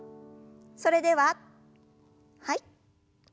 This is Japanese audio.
それでははい。